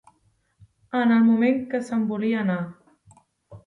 En el moment que se'n volia anar...